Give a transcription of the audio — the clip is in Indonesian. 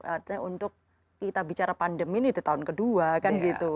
artinya untuk kita bicara pandemi ini tahun kedua kan gitu